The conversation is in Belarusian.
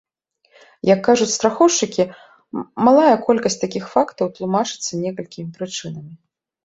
Як кажуць страхоўшчыкі, малая колькасць такіх фактаў тлумачыцца некалькімі прычынамі.